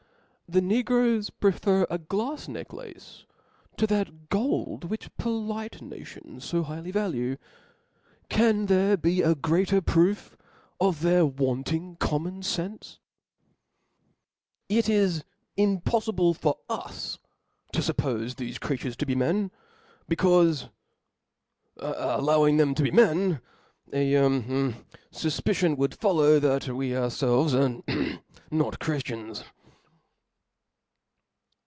The Negroes prefer a glafs necklace to that gold which polite nations fo highly value : can there be a greater proof of their wanting common fenfe ? It is impoflible for us to fuppofe thefe creatures to be men, becaufe allowing them to be men, a fufpicion would follow, that we ourfclves are not Chrifl:iaos. Weak OP L A W S.